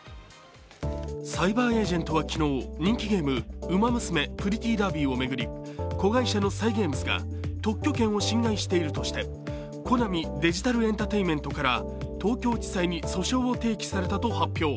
サイバーエージェントは昨日、人気ゲーム、「ウマ娘プリティーダービー」を巡り、子会社のＣｙｇａｍｅｓが特許権を侵害しているとしてコナミデジタルエンタテインメントから東京地裁に訴訟を提起されたと発表。